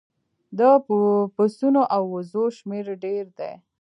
د پسونو او وزو شمیر ډیر دی